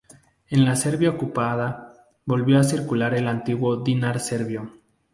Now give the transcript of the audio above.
En la Serbia ocupada, volvió a circular el antiguo dinar serbio.